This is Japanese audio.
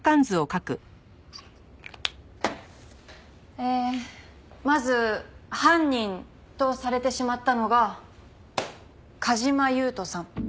えーまず犯人とされてしまったのが梶間優人さん。